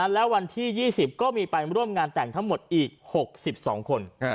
และวันที่๒๐ก็มีไปร่วมงานแต่งทั้งหมดอีก๖๒คน